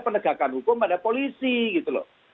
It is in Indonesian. pemerintah itu sudah berhubungan dengan pemerintah